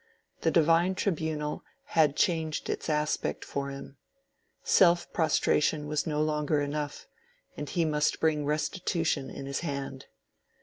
The divine tribunal had changed its aspect for him; self prostration was no longer enough, and he must bring restitution in his hand.